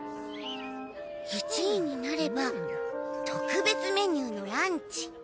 １位になれば特別メニューのランチ。